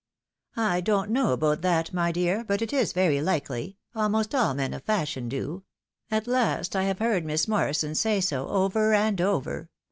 "I don't know about that, my dear, but it is very likely; almost all men of fashion do — at last I have heard Miss Morrison say so, over and over.